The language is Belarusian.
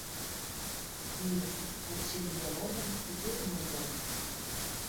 Мінск, адсюль я родам і тут мой дом!